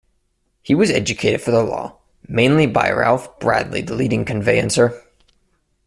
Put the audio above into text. He was educated for the law, mainly by Ralph Bradley the leading conveyancer.